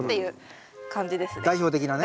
代表的なね。